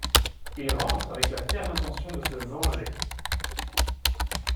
Il rentre avec la ferme intention de se venger.